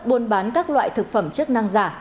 buôn bán các loại thực phẩm chất năng giả